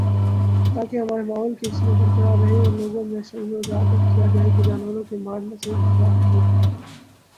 تاکہ ہمارے ماحول کی حسن برقرار رہے اور لوگوں میں شعور اجاگر کیا جائے کہ جانوروں کو مار نا صرف گناہ ہی نہیں